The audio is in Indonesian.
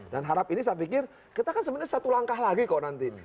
dan harap ini saya pikir kita kan sebenarnya satu langkah lagi kok nanti